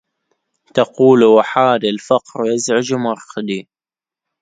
تقول وحادي الفقر يزعج مرقدي